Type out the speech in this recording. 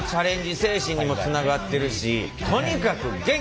精神にもつながってるしとにかく元気！